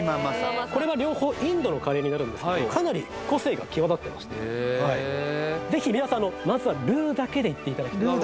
これは両方インドのカレーになるんですけどかなり個性が際立ってましてぜひ皆さんあのでいっていただきたいです